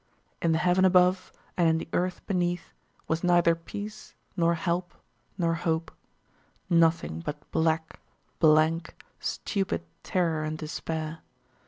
In the heaven above, and in the earth beneath, was neither peace, nor help, nor hope; nothing but black, blank, stupid terror and despair.